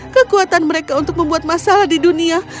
kekuatan mereka untuk membuat masalah di dunia